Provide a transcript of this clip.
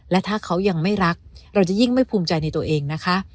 และถ้าเขายังไม่รักเราจะยิ่งไม่ภูมิใจในตัวเองนะคะ